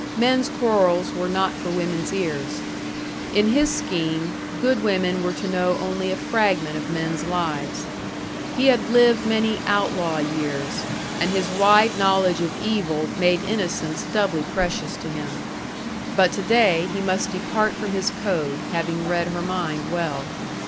Men's quarrels were not for women's ears. In his scheme, good women were to know only a fragment of men's lives. He had lived many outlaw years, and his wide knowledge of evil made innocence doubly precious to him. But to day he must depart from his code, having read her mind well.